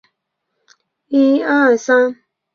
上层和下层华裔的社会地位区别很大。